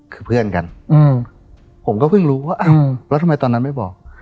คือเพื่อนกันผมก็เพิ่งรู้ว่าอ้าวแล้วทำไมตอนนั้นไม่บอก